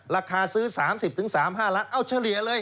ราคาซื้อ๓๐๓๕ล้านเอาเฉลี่ยเลย